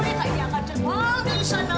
boleh kakak diangkat dulu di sana